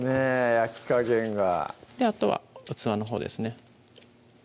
焼き加減があとは器のほうですね